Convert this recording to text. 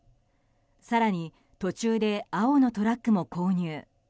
更に、途中で青のトラックも購入。